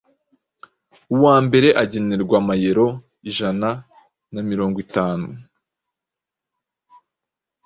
Uwa mbere agenerwa amayeuro ijana na mirongwitanu